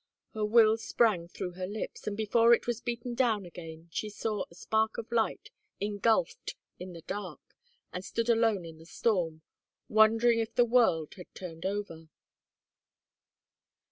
Her will sprang through her lips, and before it was beaten down again she saw a spark of light engulfed in the dark, and stood alone in the storm, wondering if the world had turned over.